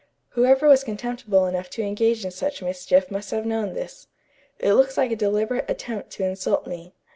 Whoever was contemptible enough to engage in such mischief must have known this. It looks like a deliberate attempt to insult me.